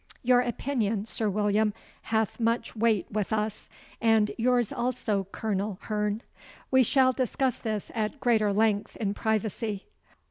'Your opinion, Sir William, hath much weight with us, and yours also, Colonel Hearn. We shall discuss this at greater length in privacy.